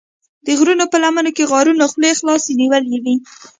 د غرونو په لمنو کې غارونو خولې خلاصې نیولې وې.